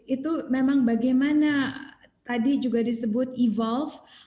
itu memang bagaimana tadi juga disebut evolve